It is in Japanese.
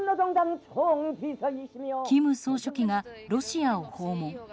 金総書記がロシアを訪問。